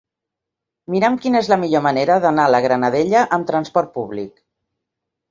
Mira'm quina és la millor manera d'anar a la Granadella amb trasport públic.